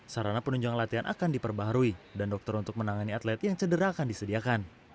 sarana penunjang latihan akan diperbaharui dan dokter untuk menangani atlet yang cedera akan disediakan